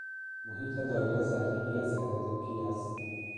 محیط دایره ضریبی از عدد پی است